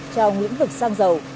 trong những vực xăng dầu